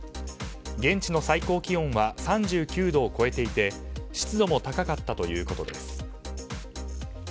現地の最高気温は３９度を超えていて湿度も高かったということです。